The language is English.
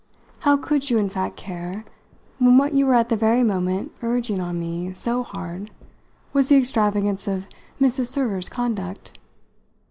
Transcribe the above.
How could you in fact care when what you were at the very moment urging on me so hard was the extravagance of Mrs. Server's conduct?